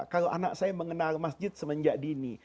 kalau anak saya mengenal masjid semenjak dini